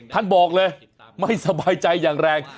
บอกเลยไม่สบายใจอย่างแรง